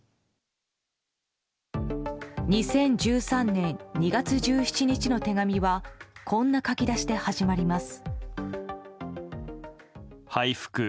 ２０１３年２月１７日の手紙はこんな書き出しで始まります。